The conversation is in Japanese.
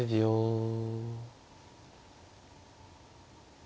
うん。